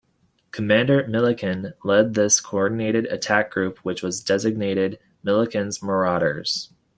Commander Millican led this coordinated attack group, which was designated Millican's Marauders.